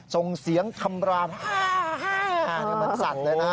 ส่งเสียงคำรามฮ่ามันสัดเลยนะ